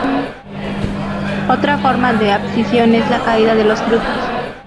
Otra forma de abscisión es la caída de los frutos.